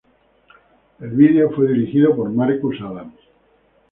El video fue dirigido por Marcus Adams.